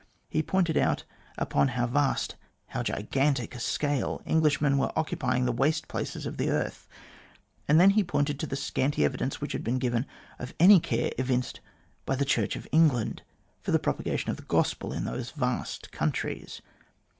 He pointed out upon how vast, how gigantic a scale Englishmen were occupying the waste places of the earth, and then he pointed to the scanty evidence which had been given of any care evinced by the Church of England for the propagation of the Gospel in those vast countries.